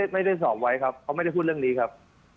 ไม่ได้สอบไว้ครับเขาไม่ได้พูดเรื่องนี้ครับ